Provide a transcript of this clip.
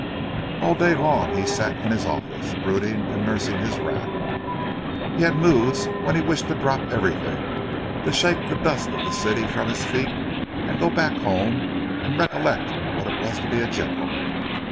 All day long he sat in his office, brooding and nursing his wrath. He had moods when he wished to drop everything, to shake the dust of the city from his feet, and go back home and recollect what it was to be a gentleman.